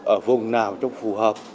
ở vùng nào trong phù hợp